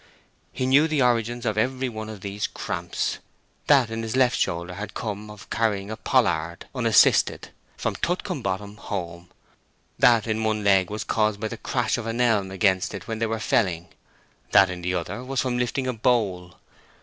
He knew the origin of every one of these cramps: that in his left shoulder had come of carrying a pollard, unassisted, from Tutcombe Bottom home; that in one leg was caused by the crash of an elm against it when they were felling; that in the other was from lifting a bole.